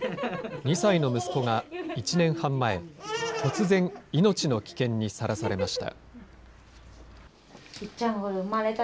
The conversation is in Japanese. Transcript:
２歳の息子が１年半前、突然、命の危険にさらされました。